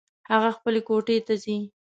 هغه خپلې کوټې ته ځي